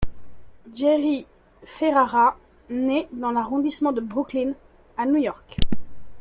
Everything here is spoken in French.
Jerry Ferrara né dans l'arrondissement de Brooklyn à New York.